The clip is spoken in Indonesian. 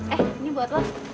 eh ini buat lo